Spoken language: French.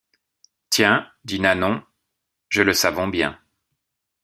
Tiens, dit Nanon, je le savons bien!